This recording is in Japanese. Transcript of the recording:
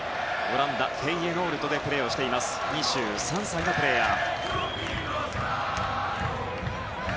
オランダのフェイエノールトでプレーしている２３歳のプレーヤー。